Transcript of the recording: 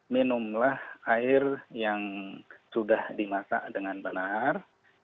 minumlah air yang sudah dimasak dengan benar